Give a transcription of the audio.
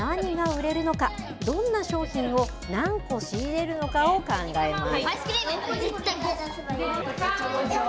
続いて、夏の日に何が売れるのか、どんな商品を何個仕入れるのかを考えます。